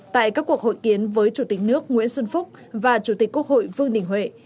tại các cuộc hội kiến với chủ tịch nước nguyễn xuân phúc và chủ tịch quốc hội vương đình huệ